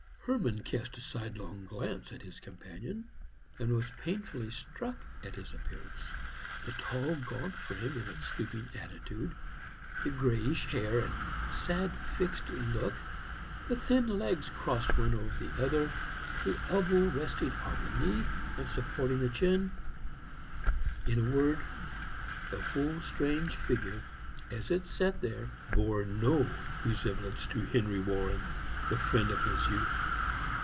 Hermann cast a sidelong glance at his companion, and was painfully struck at his appearance. The tall gaunt frame in its stooping attitude; the grayish hair and sad, fixed look; the thin legs crossed one over the other; the elbow resting on the knee and supporting the chin, in a word, the whole strange figure, as it sat there, bore no resemblance to Henry Warren, the friend of his youth.